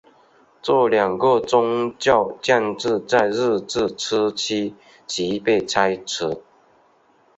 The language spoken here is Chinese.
这两个宗教建筑在日治初期即被拆除。